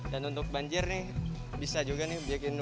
dan untuk banjir nih bisa juga nih bikin waduk kayak gini